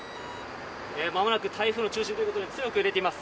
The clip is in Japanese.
まもなく台風の中心ということで、強く揺れています。